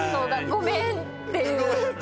「ごめん」っていうのね。